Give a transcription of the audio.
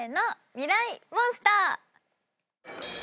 ミライ☆モンスター。